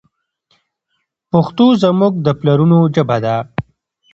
پښتو زموږ د پلرونو ژبه ده.